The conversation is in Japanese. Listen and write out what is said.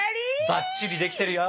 ばっちりできてるよ！